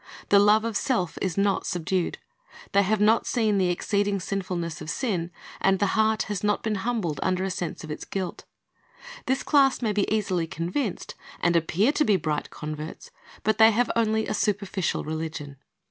The love of self is not subdued. They have not seen the exceeding sinfulness of sin, and the heart has not been humbled under a sense of its guilt. This class may be easily convinced, and appear to be bright converts, but they have only a superficial religion.